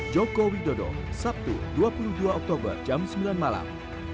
joko widodo sabtu dua puluh dua oktober jam sembilan malam